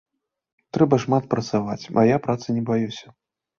Трэба шмат працаваць, а я працы не баюся.